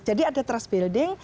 jadi ada trust building